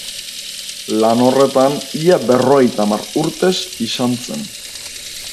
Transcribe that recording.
Lan horretan ia berrogeita hamar urtez izan zen.